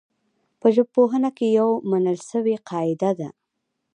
په ژبپوهنه کي يوه منل سوې قاعده ده.